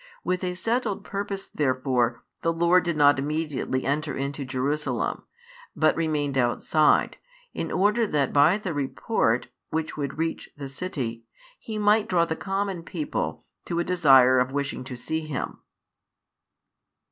With a settled purpose therefore the Lord did not immediately enter into Jerusalem, but remained outside, in order that by the report [which would reach the city] He might draw the common people to a desire of wishing to see Him.